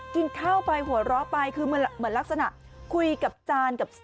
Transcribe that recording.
กินข้าวไปหัวเราะไปคือเหมือนลักษณะคุยกับจานกับ